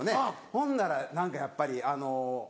ほんなら何かやっぱりあの。